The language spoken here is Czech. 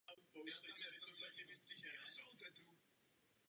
Jiní utekli přes hranice do Švýcarska.